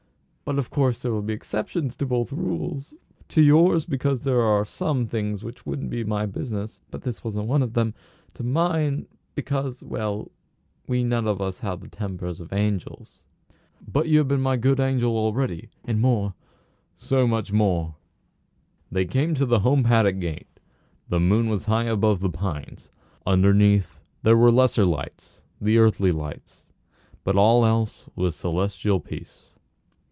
But of course there will be exceptions to both rules; to yours because there are some things which wouldn't be my business (but this wasn't one of them); to mine, because well we none of us have the tempers of angels." "But you have been my good angel already and more so much more!" They came to the home paddock gate. The moon was high above the pines. Underneath there were the lesser lights, the earthly lights, but all else was celestial peace.